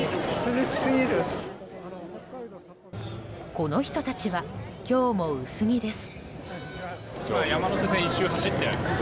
この人たちは今日も薄着です。